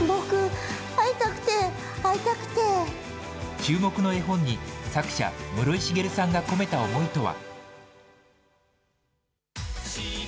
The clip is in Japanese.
注目の絵本に作者、室井滋さんが込めた思いとは。